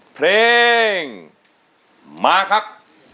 เพลงมาครับ